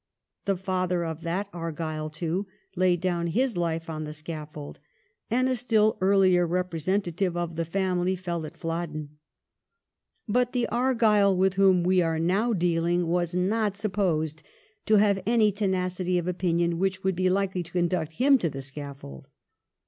The father of that Argyle, too, laid down his life on the scaffold, and a still earlier representative of the family fell at Plodden. But the Argyle with whom we are now dealing was not supposed to have any tenacity of opinion which would be likely to conduct him to the scaffold.